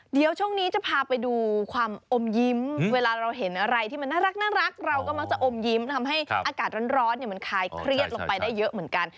เดี๋ยวช่วงนี้จะพาไปดูความอมยิ้มเวลาเราเห็นอะไรที่มันน่ารักเราก็มักจะอมยิ้มทำให้อากาศร้อนมันคลายเครียดลงไปได้เยอะเหมือนกัน